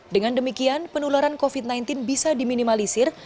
dengan demikian penularan covid sembilan belas bisa diminimalisir